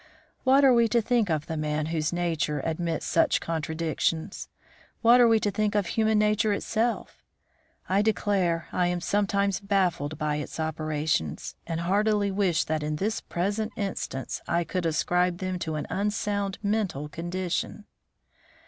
What are we to think of the man whose nature admits such contradictions! What are we to think of human nature itself! I declare I am sometimes baffled by its operations, and heartily wish that in this present instance I could ascribe them to an unsound mental condition."